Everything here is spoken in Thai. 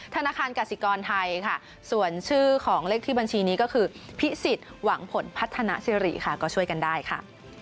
ธนาคารกสิกรไทยค่ะส่วนชื่อของเลขที่บัญชีนี้ก็คือพิสิทธิ์หวังผลพัฒนาสิริค่ะก็ช่วยกันได้ค่ะ